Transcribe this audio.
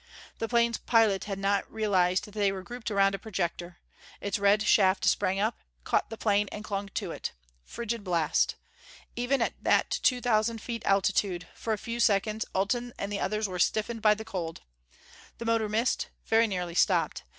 The plane's pilot had not realized that they were grouped around a projector; its red shaft sprang up, caught the plane and clung to it. Frigid blast! Even at that two thousand feet altitude, for a few seconds Alten and the others were stiffened by the cold. The motor missed; very nearly stopped.